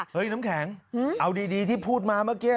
น้ำแข็งเอาดีที่พูดมาเมื่อกี้